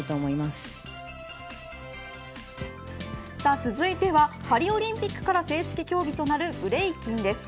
続いてはパリオリンピックから正式競技となるブレイキンです。